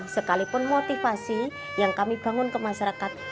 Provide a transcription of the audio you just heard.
sekalipun motivasi yang kami bangun ke masyarakat